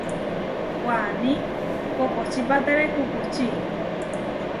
Waní kokočípatere kukuči.